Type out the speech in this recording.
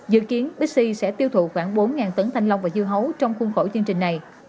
dự kiến bixi sẽ tiêu thụ khoảng bốn tấn thanh long và dưa hấu trong khuôn khổ chương trình này